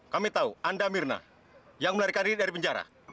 kami tahu anda mirna yang melarikan diri dari penjara